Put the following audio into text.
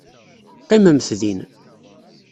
Qqimemt din.